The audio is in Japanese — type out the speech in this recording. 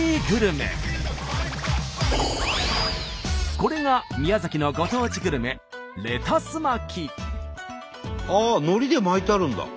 これが宮崎のご当地グルメああのりで巻いてあるんだ。